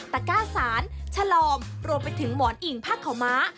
ก้าสารชะลอมรวมไปถึงหมอนอิ่งผ้าขาวม้า